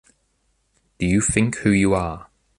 Do you think who you are?